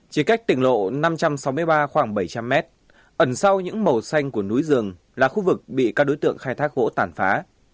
chỉ cách tỉnh lộ năm trăm sáu mươi ba khoảng bảy trăm linh mét ẩn sau những màu xanh của núi rừng là khu vực bị các đối tượng khai thác gỗ tàn phá